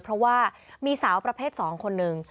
เพราะว่ามีสาวประเภท๒คนหนึ่ง